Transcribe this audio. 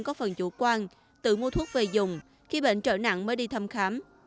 có phần chủ quan tự mua thuốc về dùng khi bệnh trở nặng mới đi thăm khám